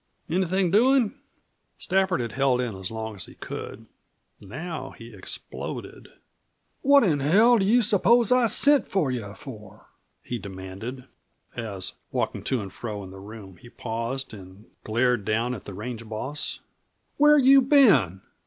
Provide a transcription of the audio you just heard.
"Anything doin'?" Stafford had held in as long as he could. Now he exploded. "What in hell do you suppose I sent for you for?" he demanded, as, walking to and fro in the room, he paused and glared down at the range boss. "Where you been?